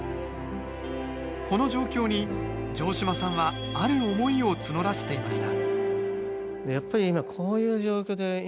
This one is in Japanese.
この状況に城島さんはある思いを募らせていました